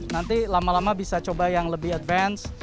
nanti lama lama bisa coba yang lebih advance